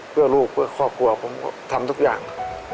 เพื่อลูกเพื่อครอบครัวผมทำทุกอย่าง